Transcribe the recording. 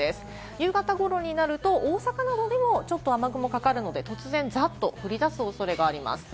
夕方頃になると、大阪のほうにも雨雲がちょっとかかるので、突然ざっと降り出す恐れがあります。